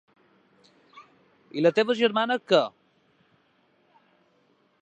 I la teva germana, què?